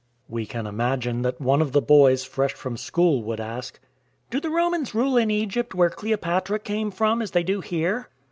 We can imagine that one of the boys fresh from school would ask: " Do the Romans rule in Egypt where Cleopatra came from as they do here